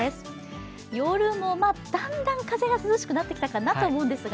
夜もだんだん風が涼しくなってきたかなと思うんですが。